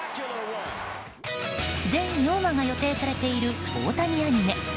全４話が予定されている大谷アニメ。